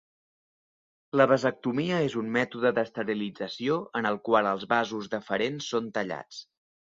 La vasectomia és un mètode d'esterilització en el qual els vasos deferents són tallats.